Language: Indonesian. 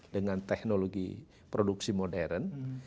dengan teknologi produksi modern